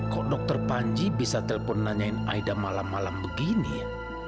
kok dokter panji bisa telepon nanyain aida malam malam begini ya